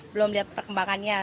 belum lihat perkembangannya